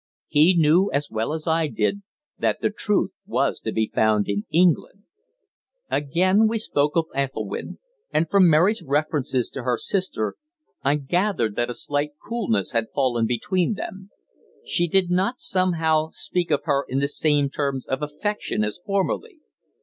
He knew, as well as I did, that the truth was to be found in England. Again we spoke of Ethelwynn; and from Mary's references to her sister I gathered that a slight coolness had fallen between them. She did not, somehow, speak of her in the same terms of affection as formerly.